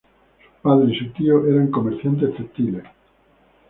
Su padre y su tío eran comerciantes textiles.